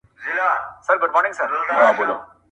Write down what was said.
دې جوارۍ کي د بايللو کيسه ختمه نه ده